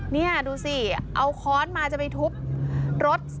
นี่ดูสิเอาค้อนมาจะไปทุบรถ